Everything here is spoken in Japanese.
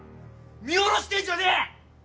見下ろしてんじゃねえ！